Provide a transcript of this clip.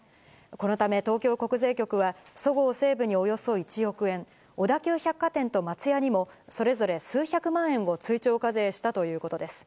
このため東京国税局は、そごう・西武におよそ１億円、小田急百貨店と松屋にもそれぞれ数百万円を追徴課税したということです。